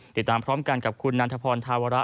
ติดตามพร้อมกันกับคุณนันทพรธาวระ